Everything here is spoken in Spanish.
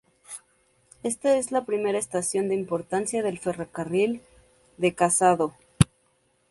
Esta es la primera estación de importancia del ferrocarril de Casado.